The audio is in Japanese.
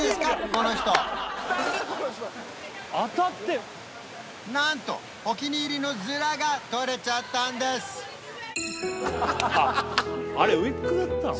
この人なんとお気に入りのヅラが取れちゃったんですあれウイッグだったの？